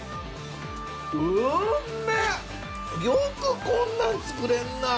よくこんなん作れんなぁ